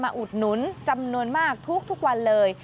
อุดหนุนจำนวนมากทุกวันเลย